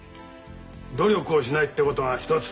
努力をしないってことが１つ。